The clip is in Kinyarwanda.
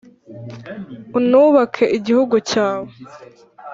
unubake igihugu cyawe